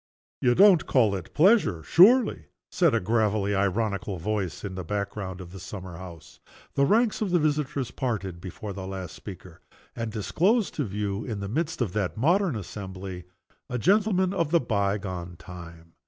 '" "You don't call it pleasure, surely?" said a gravely ironical voice in the back ground of the summer house. The ranks of the visitors parted before the last speaker, and disclosed to view, in the midst of that modern assembly, a gentleman of the bygone time.